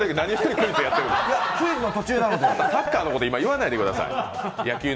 クイズの途中なので、サッカーのこと言わないでください。